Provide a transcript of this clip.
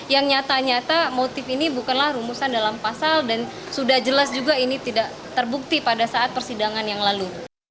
yang nyata nyata motif ini bukanlah rumusan dalam pasal dan sudah jelas juga ini tidak terbukti pada saat persidangan yang lalu